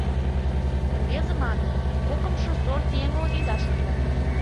Рвезе манын, кокымшо сорт еҥлан ида шотло.